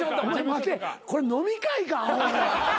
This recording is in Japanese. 待てこれ飲み会かアホ。